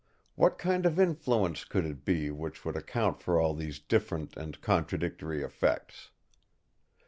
What kind of influence could it be which would account for all these different and contradictory effects?